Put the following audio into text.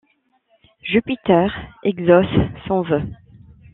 Jupiter exauce son vœu.